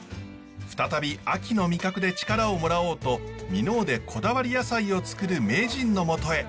再び秋の味覚で力をもらおうと箕面でこだわり野菜をつくる名人のもとへ。